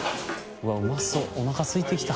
うわっうまそうおなかすいてきた。